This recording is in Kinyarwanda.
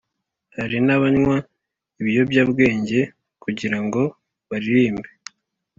. Hari n’abanywa ibiyobyabwenge kugira ngo baririmbe